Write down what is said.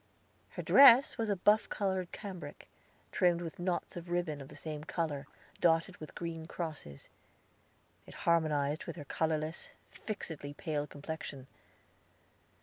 Her dress was a buff colored cambric, trimmed with knots of ribbon of the same color, dotted with green crosses. It harmonized with her colorless, fixedly pale complexion.